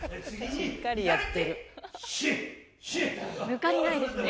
抜かりないですね。